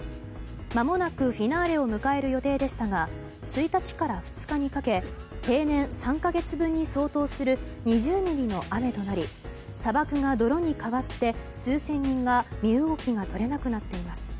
まもなくフィナーレを迎える予定でしたが１日から２日にかけ平年３か月分に相当する２０ミリの雨となり砂漠が泥に変わって数千人が身動きが取れなくなっています。